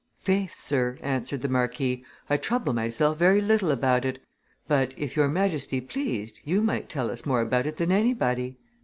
"Faith, sir," answered the marquis, "I trouble myself very little about it; but if your Majesty pleased, you might tell us more about it than anybody."